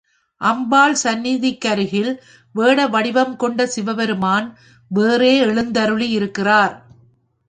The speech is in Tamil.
அம்பாள் சந்நிதிக்கருகில் வேட வடிவங்கொண்ட சிவபெருமான் வேறே எழுந்தருளியிருக்கிறார்.